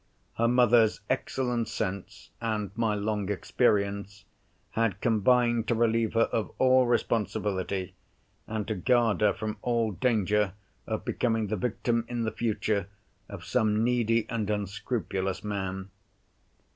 Her mother's excellent sense, and my long experience, had combined to relieve her of all responsibility, and to guard her from all danger of becoming the victim in the future of some needy and unscrupulous man.